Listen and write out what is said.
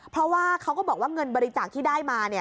เพราะว่าเขาก็บอกว่าเงินบริจาคที่ได้มา